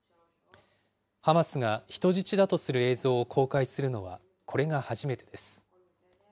ハマスが人質だとする映像を公開するのは、これが初めてです。